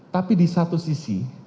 tapi di satu sisi